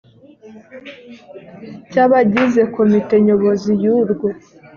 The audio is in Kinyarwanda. cy’abagize komite nyobozi y’urwo